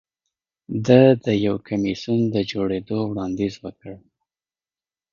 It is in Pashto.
ده د یو کمېسیون د جوړېدو وړاندیز وکړ.